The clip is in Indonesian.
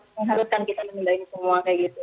mengharuskan kita menghindari semua kayak gitu